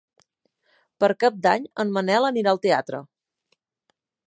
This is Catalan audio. Per Cap d'Any en Manel anirà al teatre.